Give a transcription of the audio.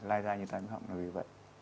lai dài như tai phát là vì vậy